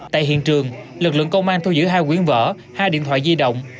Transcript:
tại hiện trường lực lượng công an thu giữ hai quyến vở hai điện thoại di động